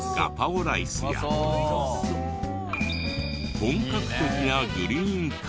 本格的なグリーンカレー。